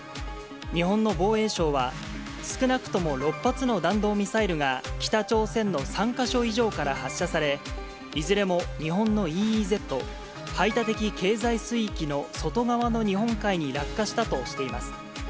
日本の防衛省は、少なくとも６発の弾道ミサイルが北朝鮮の３か所以上から発射され、いずれも日本のＥＥＺ・排他的経済水域の外側の日本海に落下したとしています。